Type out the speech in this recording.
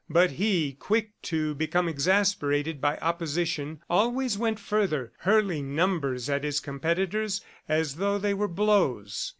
But he, quick to become exasperated by opposition, always went further, hurling numbers at his competitors as though they were blows.